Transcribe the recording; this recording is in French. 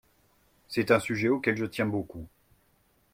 C’est un sujet auquel je tiens beaucoup.